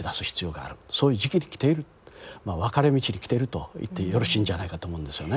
そういう時期に来ている分かれ道に来てると言ってよろしいんじゃないかと思うんですよね。